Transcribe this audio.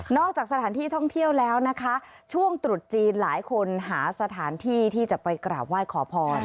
จากสถานที่ท่องเที่ยวแล้วนะคะช่วงตรุษจีนหลายคนหาสถานที่ที่จะไปกราบไหว้ขอพร